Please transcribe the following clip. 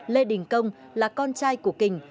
lê đình công là con trai của kình